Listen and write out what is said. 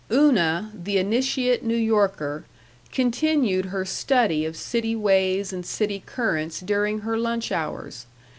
§ 4 Una, the initiate New Yorker, continued her study of city ways and city currents during her lunch hours.